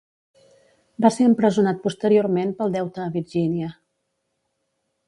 Va ser empresonat posteriorment pel deute a Virgínia.